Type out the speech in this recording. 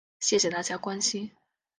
谢谢大家关心